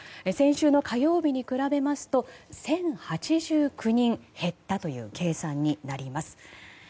先週火曜日に比べますと１０８９人減ったという計算になります。